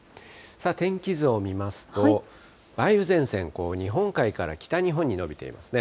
天気図を見ますと、梅雨前線、日本海から北日本に延びているんですね。